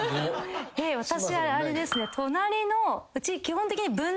私あれですねうち。